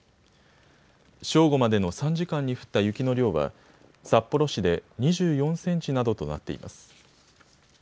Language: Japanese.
正午までの３時間に降った雪の量は札幌市で２４センチなどとなっています。